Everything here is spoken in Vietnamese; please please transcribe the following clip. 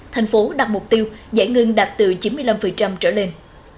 tp hcm đạt mục tiêu giải ngân đạt từ chín mươi năm trở lên